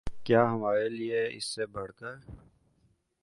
کیا ہمارے لیے اس سے بڑھ کر